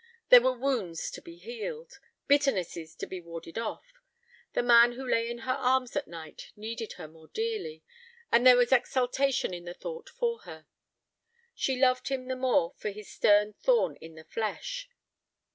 There were wounds to be healed, bitternesses to be warded off. The man who lay in her arms at night needed her more dearly, and there was exultation in the thought for her. She loved him the more for this stern thorn in the flesh.